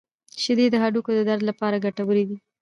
• شیدې د هډوکو د درد لپاره ګټورې دي.